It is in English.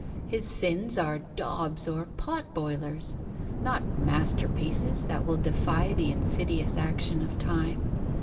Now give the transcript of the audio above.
His sins are daubs or pot boilers, not masterpieces that will defy the insidious action of time.